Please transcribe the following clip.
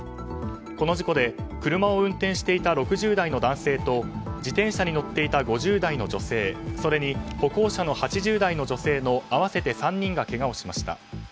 この事故で車を運転していた６０代の男性と自転車に乗っていた５０代の女性それに歩行者の８０代女性の合わせて３人がけがをしました。